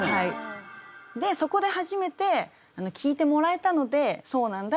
そこで初めて聞いてもらえたので「そうなんだ。